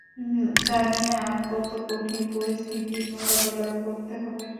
জানি না আর কত কঠিন পরিস্থিতির মোকেবেলা করতে হবে।